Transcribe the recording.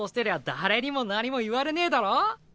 誰にも何も言われねぇだろ？